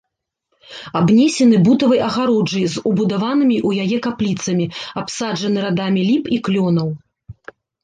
Абнесены бутавай агароджай з убудаванымі ў яе капліцамі, абсаджаны радамі ліп і клёнаў.